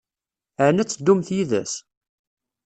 Ɛni ad teddumt yid-s?